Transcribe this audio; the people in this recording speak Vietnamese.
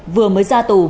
vừa mới ra tù